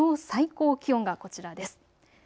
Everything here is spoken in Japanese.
最高気温がこちらです。